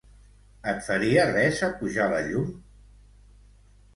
Et faria res apujar la llum?